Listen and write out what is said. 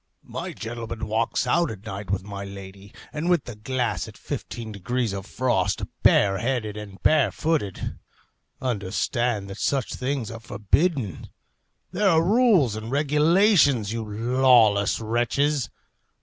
My gentleman walks out at night with my lady, and with the glass at fifteen degrees of frost, bare headed and bare footed. Understand that such things are forbidden. There are rules and regulations, you lawless wretches.